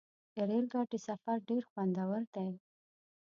د ریل ګاډي سفر ډېر خوندور دی.